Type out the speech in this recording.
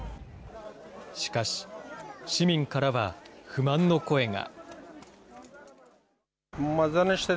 しかし、市民からは不満の声が。